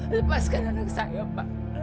lepaskan anak saya pak